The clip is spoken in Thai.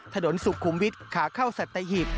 ถนนสุขุมวิทขาเข้าสัตว์ไฮีบ